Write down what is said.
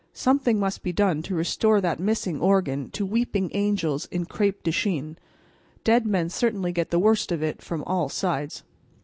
Something must be done to restore that missing organ to weeping angels in crêpe de Chine. Dead men certainly get the worst of it from all sides.